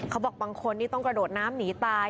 บางคนนี่ต้องกระโดดน้ำหนีตาย